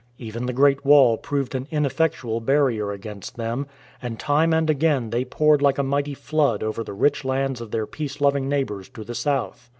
Even the Great Wall proved an ineffectual barrier against them, and time and again they poured like a mighty flood over the rich lands of their peace loving neighbours to the south.